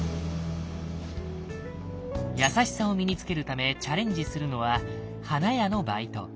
「優しさ」を身につけるためチャレンジするのは花屋のバイト。